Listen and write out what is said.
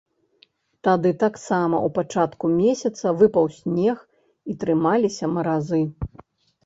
Тады таксама ў пачатку месяца выпаў снег, і трымаліся маразы.